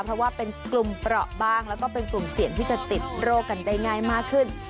เพราะว่าเป็นกลุ่มเปราะบ้างแล้วก็เป็นกลุ่มเสี่ยงที่จะติดโรคกันได้ง่ายมากขึ้น